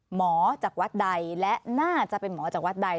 หมอจากวัดใดและน่าจะเป็นหมอจากวัดใด